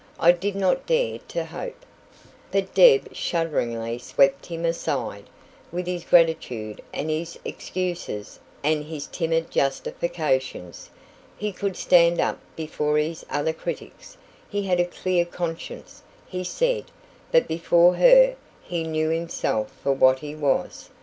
"I did not dare to hope " But Deb shudderingly swept him aside, with his gratitude and his excuses and his timid justifications. He could stand up before his other critics he had a clear conscience, he said; but before her he knew himself for what he was.